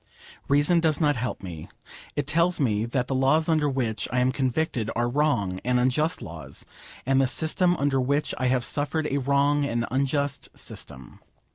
Reason does not help me. It tells me that the laws under which I am convicted are wrong and unjust laws, and the system under which I have suffered a wrong and unjust system.